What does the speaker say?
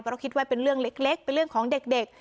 เพราะคิดว่าเป็นเรื่องเล็กเป็นเรื่องของเด็ก